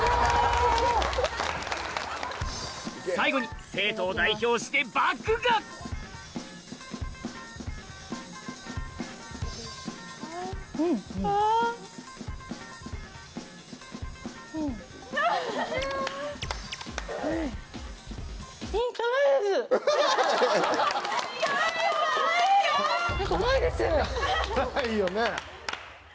最後に生徒を代表してばくが辛いよね。